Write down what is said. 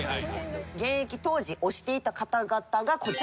現役当時推していた方々がこちらです。